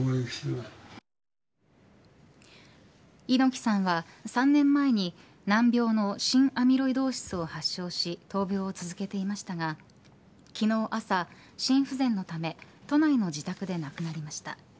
猪木さんは３年前に難病の心アミロイドーシスを発症し闘病を続けていましたが昨日、朝心不全のため都内の自宅で亡くなりました。